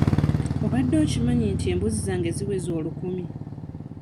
Obadde okimanyi nti embuzi zange ziweze olukumi?